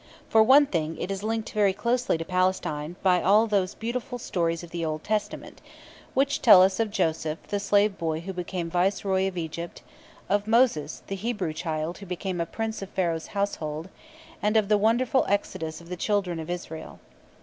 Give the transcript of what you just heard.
For one thing, it is linked very closely to Palestine by all those beautiful stories of the Old Testament, which tell us of Joseph, the slave boy who became Viceroy of Egypt; of Moses, the Hebrew child who became a Prince of Pharaoh's household; and of the wonderful exodus of the Children of Israel.